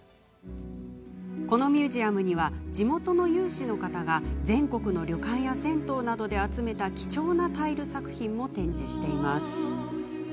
このミュージアムには地元の有志の方が全国の旅館や銭湯などで集めた、貴重なタイル作品も展示しています。